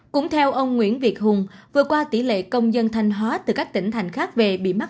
cũng theo ông nguyễn việt hùng vừa qua tỷ lệ công dân thanh hóa từ các tỉnh thành khác về bị mắc